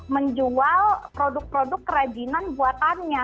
menjual produk produk kerajinan buatannya